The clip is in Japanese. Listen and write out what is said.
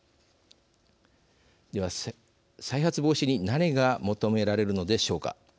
では再発防止に何が求められるのでしょうか。